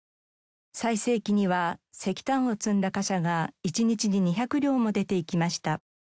最盛期には石炭を積んだ貨車が一日に２００両も出ていきました。